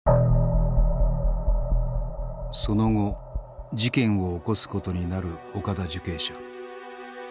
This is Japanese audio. その後事件を起こすことになる岡田受刑者。